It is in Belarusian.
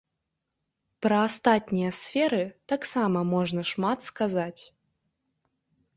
Пра астатнія сферы таксама можна шмат казаць.